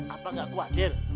apa nggak kuadir